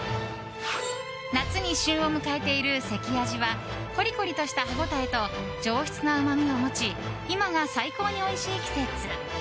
夏に旬を迎えている関あじはコリコリとした歯応えと上質なうまみを持ち今が最高においしい季節。